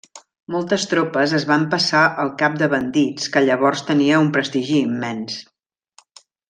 Moltes tropes es van passar al cap de bandits que llavors tenia un prestigi immens.